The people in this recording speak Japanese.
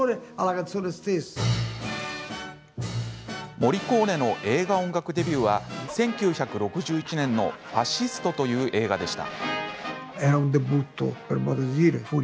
モリコーネの映画音楽デビューは１９６１年の「ファシスト」という映画でした。